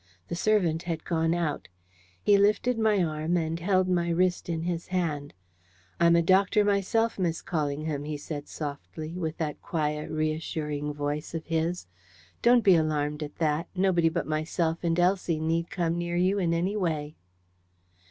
The servant had gone out. He lifted my arm, and held my wrist in his hand. "I'm a doctor myself, Miss Callingham," he said softly, with that quiet, reassuring voice of his. "Don't be alarmed at that; nobody but myself and Elsie need come near you in any way."